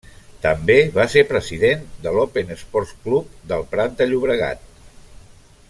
També va ser president de l'Open Esports Club del Prat de Llobregat.